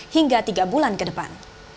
hingga tiga bulan ke depan